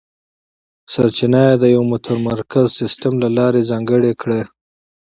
سرچینې یې د یوه متمرکز سیستم له لارې ځانګړې کړې.